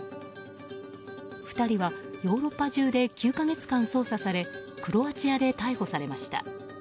２人はヨーロッパ中で９か月間捜査されクロアチアで逮捕されました。